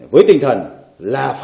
với tinh thần là phải